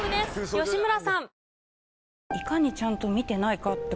吉村さん。